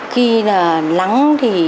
khi là lắng